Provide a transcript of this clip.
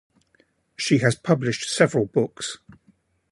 She has published several books.